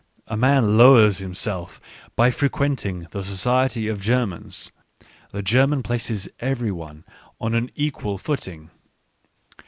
A man lowers himself by frequenting the society of Germans : the German places every one on an equal footing.